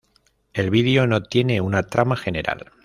El video no tiene una trama general.